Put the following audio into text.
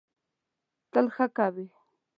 تل ښه کوی.